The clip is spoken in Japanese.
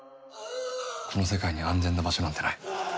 この世界に安全な場所なんてない。